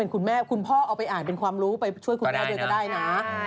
คุณพ่อคุณพ่อเอาไปอ่านเป็นความรู้ไปช่วยคุณแม่ด้วยก็ได้นะ